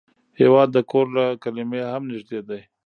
هېواد د کور له کلمې هم نږدې دی.